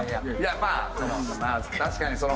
まあ確かにその。